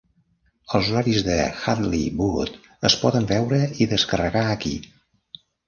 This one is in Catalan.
Els horaris de Hadley Wood es poden veure i descarregar aquí.